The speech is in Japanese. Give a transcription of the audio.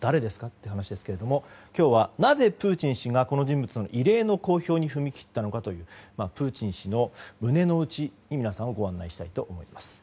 って話ですけども今日はなぜプーチン氏がこの人物の異例の公表に踏み切ったのかというプーチン氏の胸の内に皆さんをご案内したいと思います。